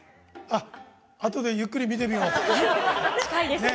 あとでゆっくり見てみよう。